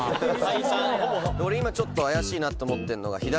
「俺今ちょっと怪しいなと思ってるのが」